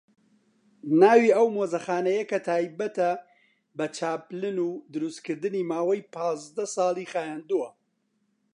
ناوی ئەو مۆزەخانەیە کە تایبەتە بە چاپلن و دروستکردنی ماوەی پازدە ساڵی خایاندووە